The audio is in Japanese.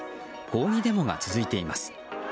抗議デモが続いています。